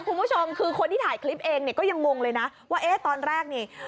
คุณผู้ชมคือคนที่ถ่ายคลิปเองเนี่ยก็ยังงงเลยนะว่าเอ๊ะตอนแรกนี่